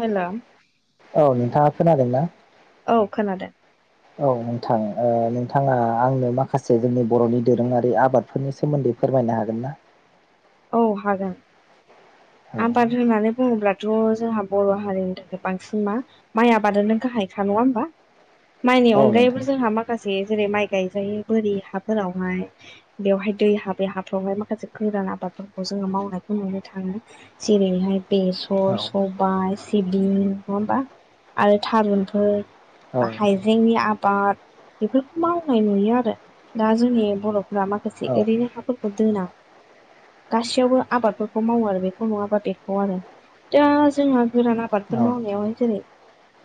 हेल' औ नोंथाङा खोनादोंना? औ खोनादों औ नोंथां ओ नोंथाङा आंनो माखासे जोंनि बर'नि दोरोङारि आबादफोरनि सोमोन्दै फोरमायनो हागोन ना? औ हागोन औ आबाद होननानै बुङोब्ला थ' जोंहा बर' हारिनि थाखाय बांसिन मा माइ आबादनो गाहायखा नङा होमबा माइनि औ अनगायैबो नोंथां जोंहा माखासे जेरै माइ गायजायि बोरि हाफोरावहाय बेवहाय दै हाबै हाफ्रावहाय माखासे गोरान आबाद फोरखौ जोङो मावनायखौ नुनो थाङो जेरैहाय बेसर औ सब बाय सिबिं नङा होमबा आरो थारुनफोर बा औ हायजेंनि आबाद बेफोरखौ मावनाय नुयो आरो दा जोंनि बर' बा माखासे औ ओरैनो हाफोरखौ दोना गासैयावबो आबादफोरखौ मावो आरो बेखौ नङाबा बेखौ आरो दा जोंहा गोरान आबादफोर मावनायावहाय जेरै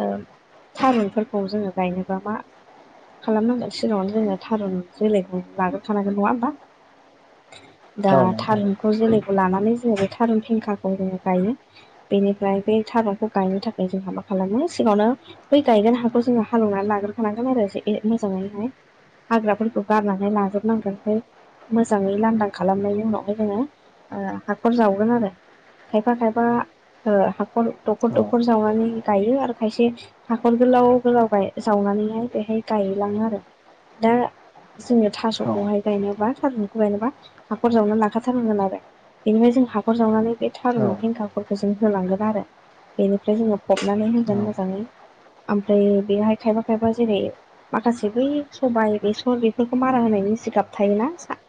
ओम थारुनफोरखौ जोङो गायनोबा मा खालामनांगोन सिगाङावनो जोङो थारुन जोलैखौ लाग्रखानांगोन नङा होमबा दा औ नोंथां थारुनखौ जोलैखौ लानानै जोङो बे थारुन फेंखाखौ जोङो गायो बेनिफ्राय बे थारुनखौ गायनो थाखाय जोंहा मा खालामो सिगाङावनो बै गायगोन हाखौ जोङो हालेवनानै लाग्रोखानांगोन आरो जे ए मोजाङैहाय हाग्राफोरखौ गारनानै लाजोबनांगोन ओमफ्राय मोजाङै लांदां खालामनायनि उनाव ओमफाय जोङो ओ हाखर जावगोन आरो खायफा खायफा ओ हाखर दखर औ दखर जावनानै गायो आरो खायसे हाखर गोलाव गोलाव जावनानैहाय बेहाय गायलाङो आरो दा जोङो औ थास'खौहाय गायनोबा थारुनखौ गायनोबा हाखर जावना लाखबाय [unintelligible] बेनिफ्राय जों हाखर जावनानै बे थारुन खेंखाफोरखौ जों होलांगोन आरो बेनिफ्राय जोङो फबनानै होगोन औ मोजाङै आमफ्राय बेहाय खायफा खायफा जेरै माखासे बै सबाय बेसर बेफोरखौ मारा होनायनि जिगाब थायोना सा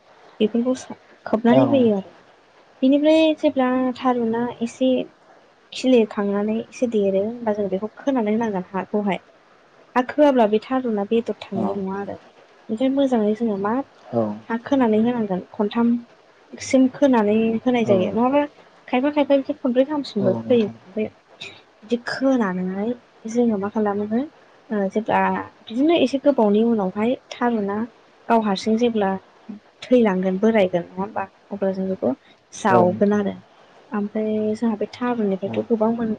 बेफोरखौ सा नानै होयो आरो बेनिफ्राय जेब्ला थारुना एसे खिलिखांनानै एसे देरो होनबा जोंङो बेखौ खोनानै होनांगोन हाखौहाय हा खोआब्ला बे थारुना बेदर थांनाय नङा आरो ओमफाय मोजाङै जोङो मा औ हा खोनानै होनांगोन खनथामसिम खोनानै होनाय औ जायो नङाबा खायफा खायफा इनिफायबो खनब्रै औ गामसिमबो फैयो नोंथां ओमफ्राय बिदि खोनानै जोङो मा खालामो ओ जेब्ला बिदिनो एसे गोबावनि उनावहाय थाङो ना गाव हारसिं जेब्ला थैलांगोन बोरायगोन नङा होमबा अब्ला जों बेखौ औ जावगोन नोंथां आरो आमफाय जोंहा बे औ थारुननिफ्रायथ' गोबां मोन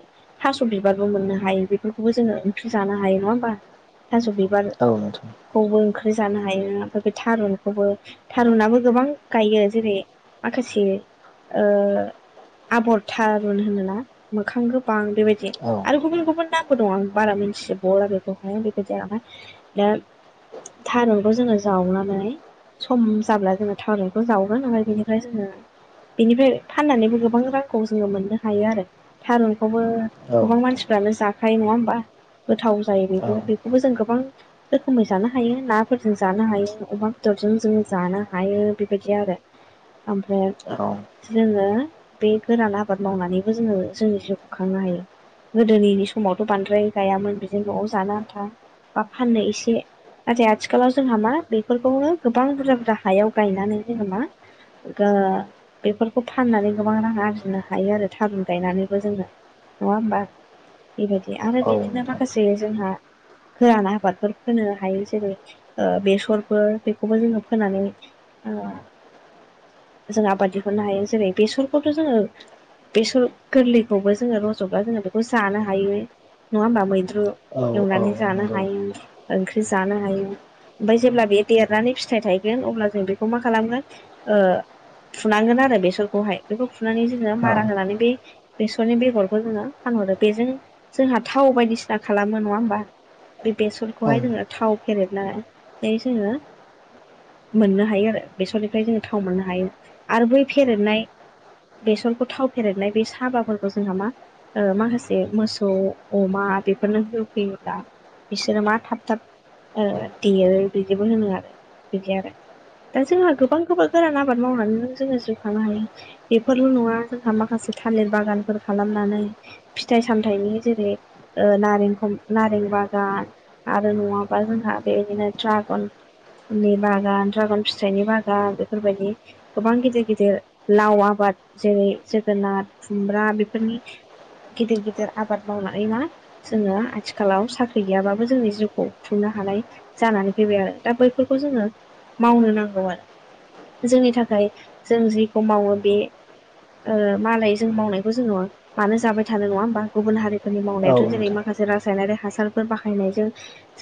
थास' बिबारबो मोननो हायो बेफोरखौबो जोङो ओंख्रि जानो हायो नङा होमबा थास' बिबार औ नोंथां खौबो ओंख्रि जानो हायो ओमफ्राय बे थारुनखौबो थारुनाबो गोबां गायो जेरै माखासे आबर थारुन होनोना मोखां गोबां बेबायदि औ आरो गुबुन गुबुन नामबो दं आं बारा मिथिजोबावा बेखौहाय बेखौ जायाामा दा थारुनखौ जोङो जावनानै सम जाब्ला जोङो थारुन जावनो नालाय बेनिफ्राय जोङो बेनिफ्राय फाननानैबो गोबां रांखौ जोङो मोननो हायो आरो थारुनखौबो औ गोबां नोंथां मानसिफ्रानो जाखायो नङा होमबा गोथाव जायो औ बेबो बेखौबो जों गोबां रोखोमै जानो हायो नाफोरजों जानो हायो अमा बेदरजों जो जानो हायो बेबायदि आरो ओमफ्राय औ जोङो बे गोरान आबाद मावनानैबो जोङो जोंनि जिउखौुं खांनो हायो गोदोनि समावथ' बांद्राय गायामोन बिजों न'आव जानो आथा बा फाननो एसे नाथाय आथिखालाव जोंहा मा बेफोरखौनो गोबां बुरजा बुरजा हायाव गायनानै जोङो मा बेफोरखौ फाननानै गोबां रां आरजिनो हायो आरो थारुन गायनानैबो जोङो नङा होमबा बेबायदि आरो औ बिदिनो नोंथां माखासे जोंहा फोराना आबादफोर फोनो हायो जेरै बेसरफोर बेखौबो जोङो फोनानै ओ [unintelligible] जों आबाद दिहनो हायो जेरै बेसरखौथ' जोङो बेसर गोरलैखौबो जोङो रज'ब्ला जोङो बेखौ जानो हायो नङा होमबा मैद्रु औ औ बेउनानानै जानो नंगौ ओंख्रि जानो हायो ओमफ्राय जेब्ला बे देरनानै फिथाइ थायगोन अब्ला जों बे मा खालामगोन फुनांगोन आरो बेसरखौहाय बेखौ फुनानै जों ङ औ मारा होनानै बे बेसरनि बेगरखौ जोङो फानहरो बेजों जोंहा थाव बायदिसिना खालामो नङा होमबा बे औ बेसरखौहाय जोङो थाव फेरेनानै जोङो मोननो हायो आरो बेसरनिफ्राय जोङो थाव मोननो हायो आरो बै फेरेदनाय बेसरखौ थाव फेरनाय बे साबाफोरखौ जोंहा मा माखासे मोसौ अमा बेफोरनो होफैयोब्ला बिसोरो मा थाब थाब देयो बिदिबो होनो आरो बिदि आरो दा जोंहा गोबां गोबां गोरान आबाद मावनानैनो जोङो जिौ खांानो हायो बेफोरल' नङा जोंहा माखासे थालिर बागानफोर खालामनानै फिथाइ सामथाइनि जेरै नारेंख नारें बागान आरो नङाबा जोंहा बेदिनो ड्रागननि बागान ड्रागनि फिसाइनि बागान बेफोरबायदि गोबां गिदिर गिदिर लाव आबाद जेरै जोगोनार खुमब्रा बेफोरनि गिदिर गिदिर आबाद मावनानै मान जोङो आथिखालाव साख्रि गैयाबाबो जोंनि जिउखौ खुंनो हानाय जानानै फैबाय आरो दा बैफोरखौ जोङो मावनो नांगौ जोंनि थाखाय जों जेखौ मावो बे मालाय जों मावनायखौ जोङो मानो जाबाय थानो नङा होमबा गुबुन हारि खामानि औ मावनायाथ' जेरै नोंथां माखासे रासायनारि हासारफोर बाहायनायजों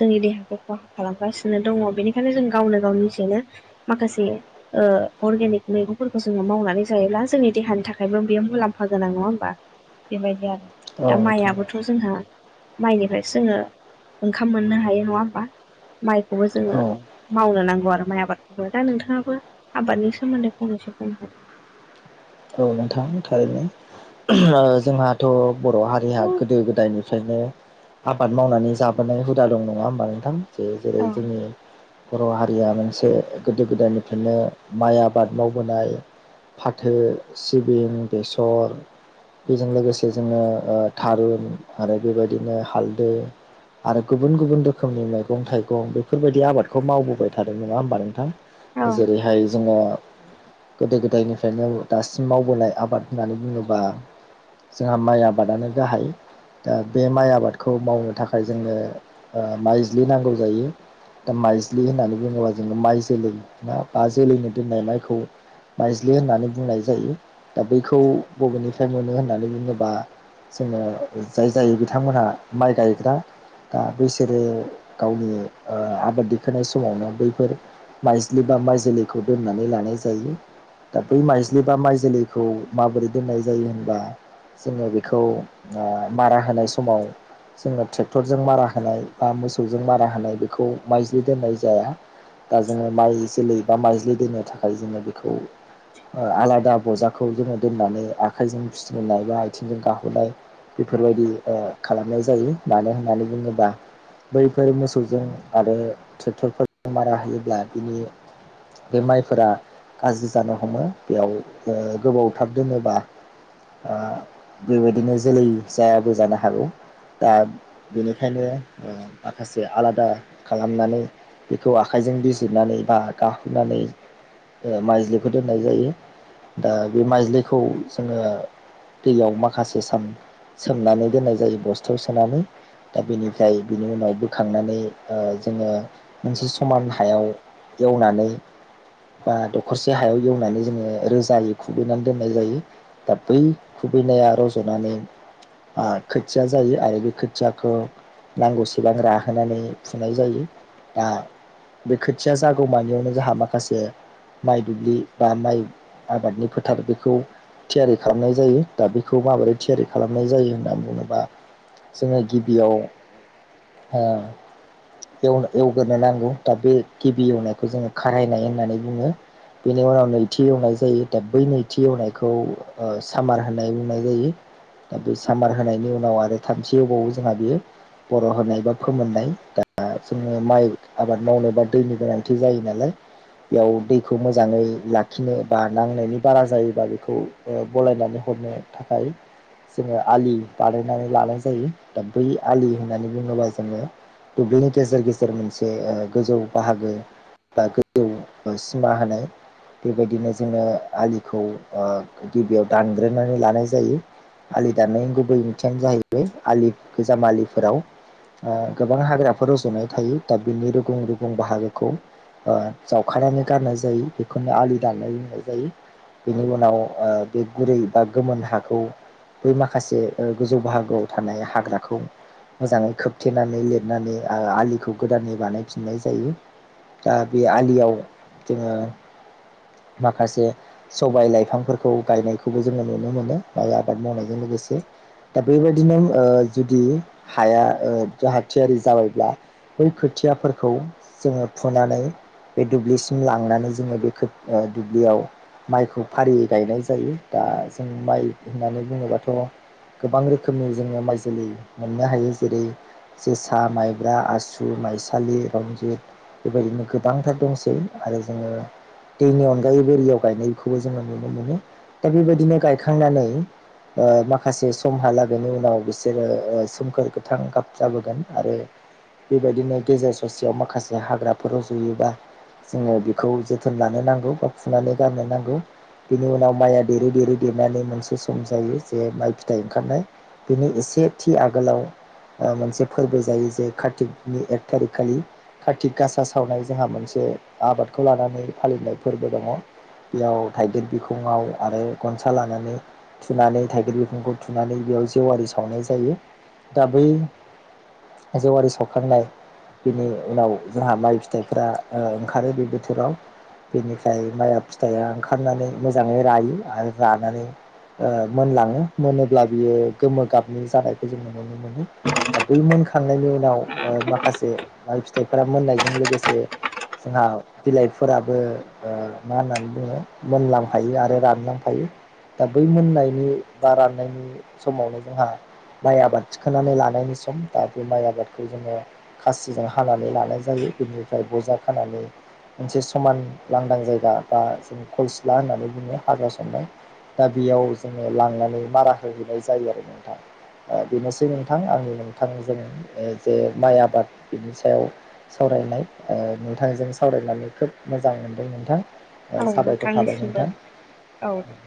जोंनि देहाखौ खहा खालामगासिनो दङ बेनिखायनो जों गावनो गाव निजेनो माखासे, ओ अर्गेनिक मैगंफोरखौ जोङो मावनानै जायोब्ला जोंनि देहानि थाखायबो बेयो मुलाम्फा गोनां नङा होमबा, बेबायदि आरो औ दा नोंथां माइयाबोथ' जोंहा माइनिफ्रायसो जोङो, ओंखाम मोननो हायो नङा होमबा माइखौबो जोङो औ मावनो नांगौ आरो माइ आबाद दा नोंथाङाबो आबादनि सोमोन्दै फंनैसो बुंहर औ नोंथां थारैनो, जोंहाथ' बर' हारिया हागोन गोदो गोदायनिफ्रायनो आबाद मावनानै जाबोनाय हुदा दं नङा होमबा नोंथां जे जेरै औ जोंनि बर' हारिया मोनसे गोदो गोदायनिफ्रायनो माइ आबाद मावबोनाय फाथो सिबिं बेसर बेजों लोगोसे जोङो थारुन आरो बेबायदिनो हालदै आरो गुबुन गुबुन रोखोमनि मैगं थाइगं बेफोरबायदि आबादखौ मावबोबाय थादों नङा होमबा नोंथां औ जेरैहाय जोङो गोदो गोदायनिफ्रायनो, दासिम मावबोनाय आबाद होननानै बुङोबा जोंहा माइ आबादानो गाहाय, दा बे माइ आबादखौ मावनो थाखाय जोङो माइज्लि नांगौ जायो। दा माइजलि होननानै बुङोब्ला जोङो माइ जोलै ना बा जोलैनो दोननाय माइखौ, माइजलि होननानै बुंनाय जायो। दा बैखौ बबेनिफ्राय मोनो होननानै बुङोबा, जोङो जाय जाय बिथांमोनहा माइ गायग्रा, दा बैसोरो गावनि आबाद दिखोनाय समावनो बैफोर, माइज्लि बा माइ जोलैखौ दोननानै लानाय जायो दा बै माइ सिलि बा माइ जोलैखौ माबोरै दोननाय जायो होनबा, जोङो बेखौ मारा होनाय समाव, जोङो ट्रेक्टरजों मारा होनाय बा मोसौजों मारा होनाय बेखौ माइजलि दोननाय जाया। दा जोङो माइ जोलै बा माइ जोलै दोननो थाखाय जोङो बेखौ, आलादा बजाखौ जोङो दोननानै आखाइजों फिसिनाय बा आइथिंजों गाहुनाय, बेफोरबायदि ओ खालामनाय जायो मानो होननानै बुङोब्ला, बैफोर मोसौजों आरो ट्रेक्टरफोरजों मारा होयोब्ला बिनि बे माइफोरा गाज्रि जानो हमो बेयाव गोबाव थार दोनोबा ओ बेबायदिनो जोलै जायाबो जानो हागौ दा, बेनिखायनो माखासे आलादा खालामनानै, बेखौ आखाइजों बिजिरनानै बा गाहुनानै माइजलिखौ दोननाय जायो। दा बे माइज्ललिखौ जोङो दैयाव माखासे सान, सोमनानै दोननाय जायो बस्था सोनानै, दा बेनिफ्राय बिनि उनाव बोखांनानै जोङो मोनसे समान हायाव, एवनानै बा दखरसे हायाव एवनानै, जोङो रोजायै खुबैनानै दोननाय जायो दा बै खुबैनाया रज'नानै, आ खोथिया जायो आरो बे खोथियाखौ, नांगौ सेबां राहोनानै फुनाय जायो दा, बे खोथिया जागौमानियावनो जोंहा माखासे माइ दुब्लि बा माइ, आबादनि फोथार बेखौ, थियारि खालामनाय जायो दा बेखौ माबोरै थियारि खालामनाय जायो होनना बुङोबा, जोङो गिबियाव ओ एवनो एवग्रो नांगौ दा बे गिबि एवनायखौ जोङो खारायनाय होननानै बुङो। बिनि उनाव नै थि एवनाय जायो दा बै नैथि एवनायखौ ओ सामार होननाय बुंनाय जायो। दा बे सामार होनायनि उनाव आरो थामथि एवबावो जोंहा बेयो बर' होनाय बा फोमोननाय दा जोङो माइ आबाद मावनोबा दैनि गोनांथि जायो नालाय बेयाव दैखौ मोजाङै लाख खिनो बा नांनायनि बारा जायोबा बेखौ गलायनानै हरनो थाखाय जोङो आलि बानायनानै लानाय जायो दा बै आलि होननानै बुङोबा जोङो दुब्लिनि गेजेर गेजेर मोनसे गोजौ बाहागो बा गोजौ सिमा होनाय। बेबायदिनो जोङो आलिखौ ओ गिबियाव दानग्रोनानै लानाय जायो। आलि दानायनायनि गुबैओथियानो जाहैबाय आलि गोजाम आलिफोराव ओ गोबां हाग्राफोर रज'नाय थायो दा बिनि रुगुं रुगुं बाहागोखौ ओ जावखनानै गारनाय जायो बेखौनो आलि दाननाय होनाय जायो। बेनि उनाव ओ बे गुरै बा गोमोन हाखौ बै माखासे ओ गोजौ बाहागोआव थानाय हाग्राखौ मोजाङै खोबथेनानै लिरनानै आलिखौ गोदानै बानायफिननाय जायो। दा बे आलियाव जोङो माखासे सबाय लाइफांफोरखौ गायनायखौबो जोङो नुनो मोनो माइ आबाद मावनायजों लोगोसे। दा बेबायदिनो ओ जुदि हाया ओ जाहा थियारि जाबायब्ला बै खोथियाफोरखौ जोङो फुनानै बे दुब्लिसिम लांनानै जोङो बे खोब ओ दुब्लियाव माइखौ फारियै गायनाय जायो दा जों माइ होननानै बुङोबाथ' गोबां रोखोमनि जोङो माइ जोलै मोननो हायो जेरै जोसा माइब्रा आसु माइसालि रन्जित। बेबायदिनो गोबांथार दंसै आरो जोङो दैनि अनगायै बेरियाव गायनायखौबो जोङो नुनो मोनो। दा बेबायदिनो गायखांनानै ओ माखासे समहालागैनि उनाव बिसोरो ओ सोमखोर गोथां गाब जाबोगोन आरो बेबायदिनो गेजेर ससेयाव माखासे हाग्राफोर रज'योबा जोङो बेखौ जे जोथोन लानो नांगौ बा फुनानै गारनो नांगौ। बिनि उनाव माइया देरै देरै देरनानै मोनसे सम जायो जे माइ फिथाइ ओंखारनाय बिनि एसे थि आगोलाव ओ मोनसे फोरबो जायो जे कार्तिकनि एक थारिक खालि कार्तिक गासा सावनाय जोंहा मोनसे आबादखौ लानानै फालिनाय फोरबो दङ। बेयाव थाइगेर बिखङाव आरो गनसा लानानै थुनानै थाइगिर बिफांखौ थुनानै बेयाव जेवारि सावनाय जायो दा बै जेवारि सावखांनाय बिनि उनाव जोंहा माइ फिथाइफ्रा ओ ओंखारो बे बोथोराव। बेनिफ्राय माइया फिथाइया ओंखारनानै मोजाङै रायो आरो रानानै ओ मोनलाङो मोनोब्ला बियो गोमो गाबनि जानायखौ जों नुनो मोनो। मोनो दा बै मोनखांनायनि उनाव ओ माखासे माइ फिथाइफोरा मोननायजों लोगोसे जोंहा बिलाइ फोराबो ओ मा होननानै बुङो मोनलांफायो आरो रानलांफायो। दा बै मोननायनि बा राननायनि समावनो जोंहा माइ आबाद थिखांनानै लानायनि सम दा बे माइ आबादखौ जोङो खासिजों हानानै लानाय जायो बेनिफ्राय बजा खानानै मोनसे समान लांदां जायगा बा जों खल सिला होननानै बुङो हाग्रा सन्नाय। दा बेयाव जोङो लांनानै मारा होहैनाय जायो आरो नोंथां। ओ बेनोसै नोंथां आंनि नोंथांजों जे माइ आबाद बिनि सायाव सावरायनाय ओ नोंथांजों सावरायनानै खोब मोजां मोनदों नोंथां। औ साबायखर थाबाय नोंथांनिसिमबो नोंथां। औ दे।